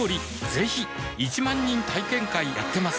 ぜひ１万人体験会やってますはぁ。